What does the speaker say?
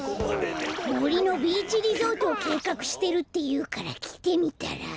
もりのビーチリゾートをけいかくしてるっていうからきてみたら。